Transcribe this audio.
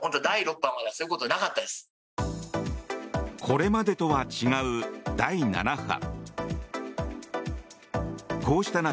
これまでとは違う第７波。